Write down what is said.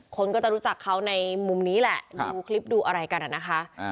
คนก็จะรู้จักเขาในมุมนี้แหละดูคลิปดูอะไรกันอะนะคะ